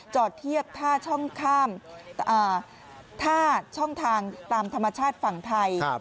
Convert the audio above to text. จอดเทียบท่าช่องทางตามธรรมชาติฝั่งไทย